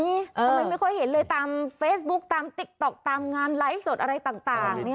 ทำไมไม่ค่อยเห็นเลยตามเฟซบุ๊คตามติ๊กต๊อกตามงานไลฟ์สดอะไรต่าง